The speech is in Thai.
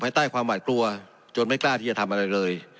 ใต้ความหวาดกลัวจนไม่กล้าที่จะทำอะไรเลย